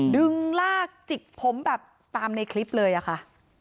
ลากจิกผมแบบตามในคลิปเลยอะค่ะ